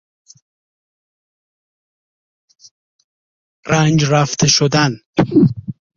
رنگ رفته شدن